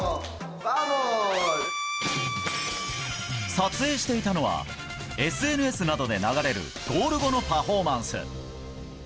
撮影していたのはＳＮＳなどで流れるゴール後のパフォーマンス。